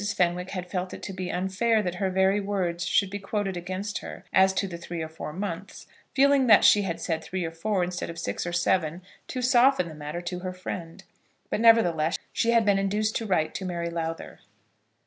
Fenwick had felt it to be unfair that her very words should be quoted against her, as to the three or four months, feeling that she had said three or four instead of six or seven to soften the matter to her friend; but, nevertheless, she had been induced to write to Mary Lowther.